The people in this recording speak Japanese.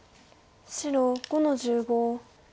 白５の十五。